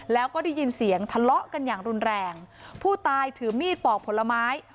แล้วก็ได้ยินเสียงทะเลาะกันอย่างรุนแรงผู้ตายถือมีดปอกผลไม้